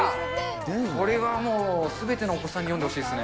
これはもうすべてのお子さんに読んでほしいですね。